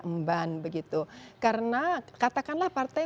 emban begitu karena katakanlah partai